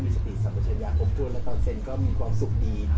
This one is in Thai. มีสติสัมปัชญาทุกขึ้นตอนเซ็นก็มีความสุขดี